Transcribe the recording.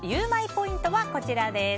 ポイントはこちらです。